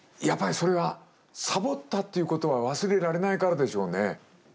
やっぱりそれはサボったっていうことは忘れられないからでしょうね。